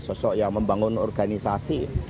sosok yang membangun organisasi